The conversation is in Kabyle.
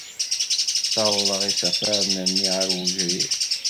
Ssawḍeɣ isafaren-nni ɣer wegrir.